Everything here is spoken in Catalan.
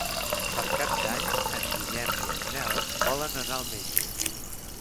Per Cap d'Any en Guillem i en Nel volen anar al metge.